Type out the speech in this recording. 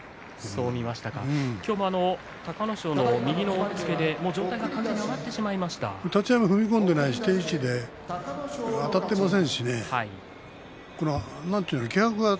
今日、隆の勝の右の押っつけで上体が完全に立ち合いも踏み込んでないし定位置にあたっていません。